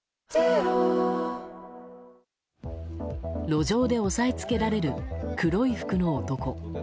路上で押さえつけられる黒い服の男。